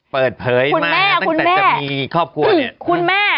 เปิดเผยมาตั้งแต่จะมีครอบครัวนี้